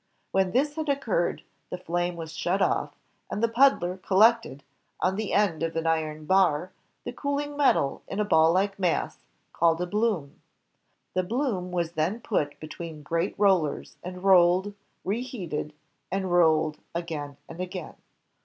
When this had occurred, the flame was shut off, and the puddler collected, on the end of an iron bar, the cooling metal in a ball like mass called a bloom. The bloom was then put between great rollers, and rolled, reheated, and roDed again and again.